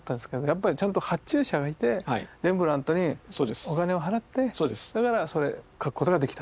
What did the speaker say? やっぱりちゃんと発注者がいてレンブラントにお金を払ってだからそれ描くことができた。